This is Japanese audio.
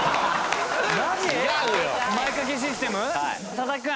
佐々木君